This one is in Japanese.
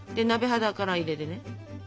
鍋肌から入れてね。